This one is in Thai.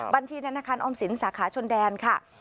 บัญชีธนาคารออมสินสาขาชนแดนค่ะ